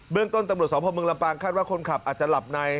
เรื่องต้นตำรวจสพเมืองลำปางคาดว่าคนขับอาจจะหลับใน